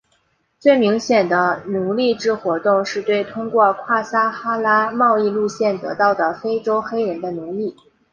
最明显的奴隶制活动是对通过跨撒哈拉贸易路线得到的非洲黑人的奴役。